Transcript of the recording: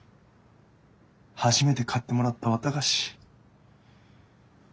初めて買ってもらった綿菓子。